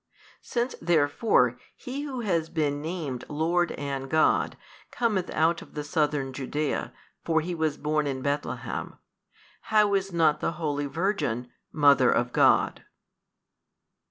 Since therefore He Who has been named Lord and God, cometh out of the southern Judea, for He was born in Bethlehem, how is not the holy Virgin Mother of God?